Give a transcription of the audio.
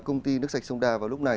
công ty nước sạch sông đà vào lúc này